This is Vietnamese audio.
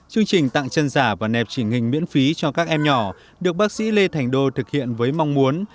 chương trình tặng chân giả và nẹp trình hình miễn phí cho các em nhỏ được bác sĩ lê thành đô thực hiện với mong muốn